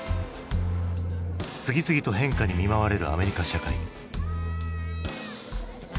次々と変化に見舞われるアメリカ社会。